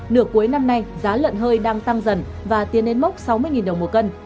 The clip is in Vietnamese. nửa cuối năm nay giá lợn hơi đang tăng dần và tiến đến mốc sáu mươi đồng một cân